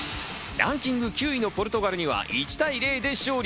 ランキング２位のベルギーには２対０で勝利。